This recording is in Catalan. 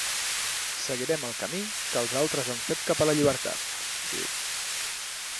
Seguirem el camí que els altres han fet cap a la llibertat, diu.